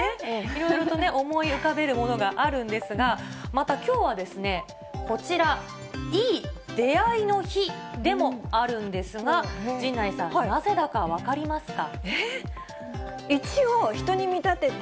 いろいろとね、思い浮かべるものがあるんですが、またきょうはこちら、いい出会いの日でもあるんですが、陣内さん、なぜだか分かりますか？